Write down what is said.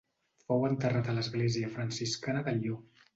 Fou enterrat a l'església franciscana de Lió.